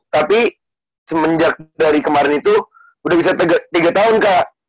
tapi semenjak dari kemarin itu udah bisa tiga tahun kak